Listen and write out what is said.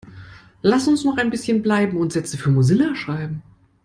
Lasst uns noch ein bisschen bleiben und Sätze für Mozilla schreiben.